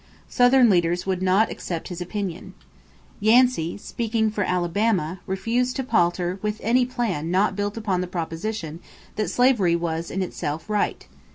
Southern leaders would not accept his opinion. Yancey, speaking for Alabama, refused to palter with any plan not built on the proposition that slavery was in itself right.